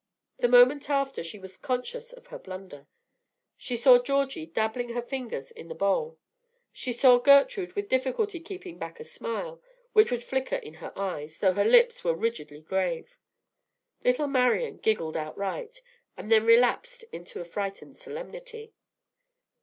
The moment after, she was conscious of her blunder. She saw Georgie dabbling her fingers in her bowl. She saw Gertrude with difficulty keeping back a smile which would flicker in her eyes, though her lips were rigidly grave. Little Marian giggled outright, and then relapsed into a frightened solemnity.